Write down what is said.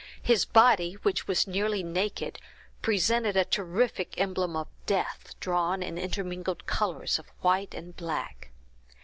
His body, which was nearly naked, presented a terrific emblem of death, drawn in intermingled colors of white and black.